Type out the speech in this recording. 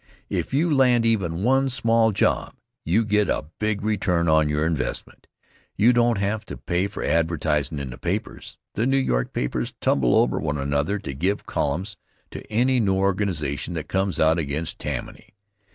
If you land even one small job, you get a big return on your investment. You don't have to pay for advertisin' in the papers. The New York papers tumble over one another to give columns to any new organization that comes out against Tammany.